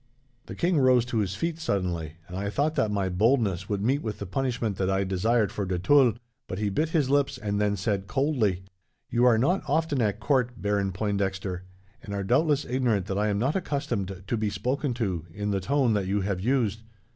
"The king rose to his feet suddenly, and I thought that my boldness would meet with the punishment that I desired for de Tulle; but he bit his lips, and then said coldly: "'You are not often at court, Baron Pointdexter, and are doubtless ignorant that I am not accustomed to be spoken to, in the tone that you have used.